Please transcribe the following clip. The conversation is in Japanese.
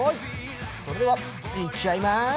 それでは、行っちゃいま